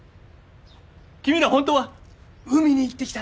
君ら本当は海に行ってきたんだろ？